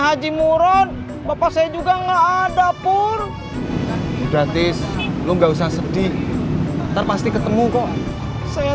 haji muron bapak saya juga enggak ada pur gratis lu nggak usah sedih ntar pasti ketemu kok saya